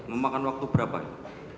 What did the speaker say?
memakan waktu berapa ya